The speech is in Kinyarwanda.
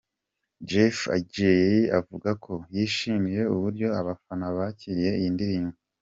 Jeff Ajay avuga ko yishimiye uburyo abafana bakiriye iyi ndirimbo.